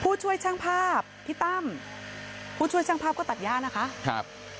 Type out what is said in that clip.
ผู้ช่วยช่างภาพพี่ตั้มผู้ช่วยช่างภาพก็ตัดย่านะคะครับ